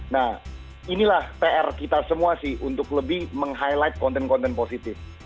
nah inilah pr kita semua sih untuk lebih meng highlight konten konten positif